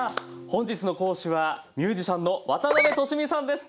本日の講師はミュージシャンの渡辺俊美さんです。